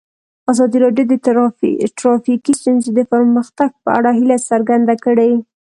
ازادي راډیو د ټرافیکي ستونزې د پرمختګ په اړه هیله څرګنده کړې.